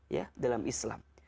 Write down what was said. ya dalam islam